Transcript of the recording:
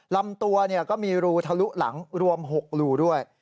ลำตัวก็มีรูทะลุหลังรวม๖รูด้วย